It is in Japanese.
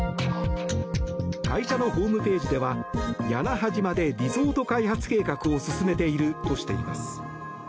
会社のホームページでは屋那覇島でリゾート開発計画を進めているとしています。